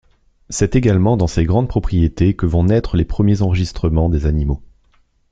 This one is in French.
C’est également dans ces grandes propriétés que vont naître les premiers enregistrements des animaux.